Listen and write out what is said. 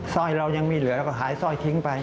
ซ่อยเรายังมีเหลือแล้วก็หายซ่อยทิ้งไป